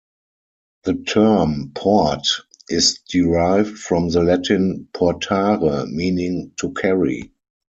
The term "port" is derived from the Latin "portare", meaning "to carry".